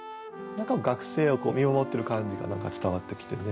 学生を見守ってる感じが伝わってきてね。